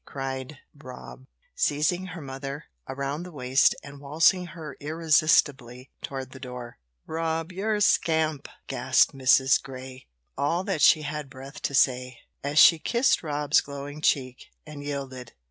cried Rob, seizing her mother around the waist and waltzing her irresistibly toward the door. "Rob, you're a scamp," gasped Mrs. Grey all that she had breath to say as she kissed Rob's glowing cheek, and yielded.